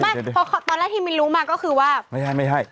ตอนแรกที่มินลุ้งมาก็คือว่า